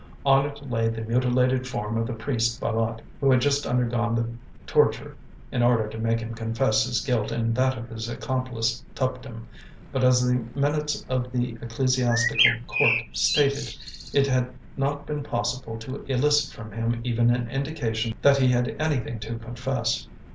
On it lay the mutilated form of the priest Bâlât, who had just undergone the torture, in order to make him confess his guilt and that of his accomplice, Tuptim; but as the minutes of the ecclesiastical court stated, "it had not been possible to elicit from him even an indication that he had anything to confess."